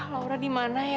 laura dimana ya